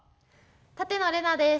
舘野伶奈です。